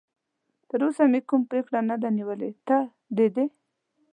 تراوسه مې کوم پرېکړه نه ده نیولې، ته د ده.